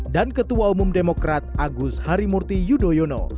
dan ketua umum demokrat agus harimurti yudhoyono